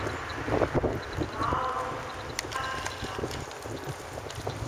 Min mbaawan min hakkila koʼe amin.